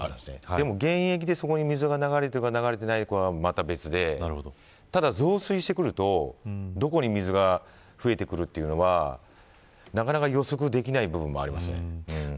でも、現役で水がそこに流れているか流れていないかは別でただ増水してくるとどこに水が噴いてくるというのはなかなか予測できない部分もあります。